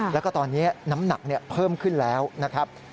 แล้วก็ตอนนี้น้ำหนักเพิ่มขึ้นแล้วนะครับ